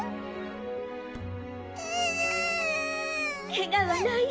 「けがはない？